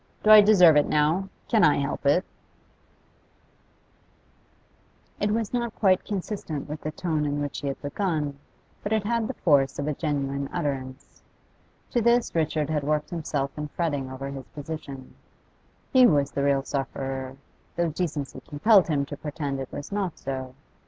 Do I deserve it now? Can I help it?' It was not quite consistent with the tone in which he had begun, but it had the force of a genuine utterance. To this Richard had worked himself in fretting over his position; he was the real sufferer, though decency compelled him to pretend it was not so.